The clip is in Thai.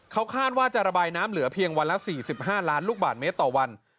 เขาคาดว่าจะระบายน้ำเหลือเพียงวันละ๔๕ล้านลูกบาทเมตรต่อวัน